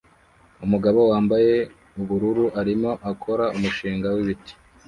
Umugabo wambaye ubururu arimo akora umushinga wibiti